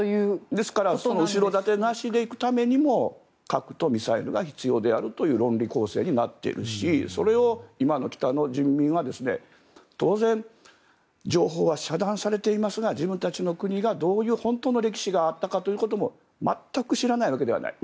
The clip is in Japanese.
ですから後ろ盾なしで行くためにも核とミサイルが必要であるという論理構成になっているしそれを今の北の人民は当然、情報は遮断されていますが自分たちの国がどういう本当の歴史があったということも全く知らないわけではない。